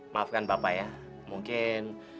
maafkan bapak ya mungkin